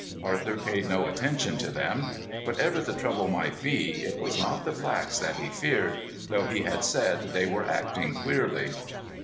Arthur paid no attention to them. Whatever the trouble might be, it was not the blacks that he feared, though he had said they were acting queerly.